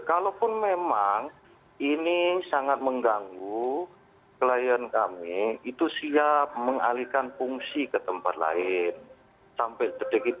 kalaupun memang ini sangat mengganggu klien kami itu siap mengalihkan fungsi ke tempat lain sampai sedikit